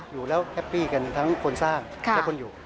อยู่แล้วแฮปปี้กันทั้งคนสร้างและคนอยู่